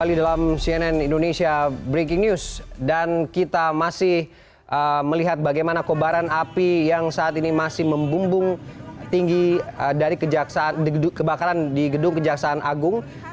kembali dalam cnn indonesia breaking news dan kita masih melihat bagaimana kobaran api yang saat ini masih membumbung tinggi dari kebakaran di gedung kejaksaan agung